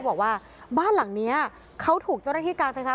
บอกว่าบ้านหลังนี้เขาถูกเจ้าหน้าที่การไฟฟ้า